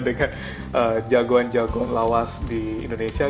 dengan jagoan jagoan lawas di indonesia